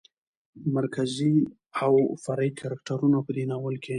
مرکزي او فرعي کرکترونو په دې ناول کې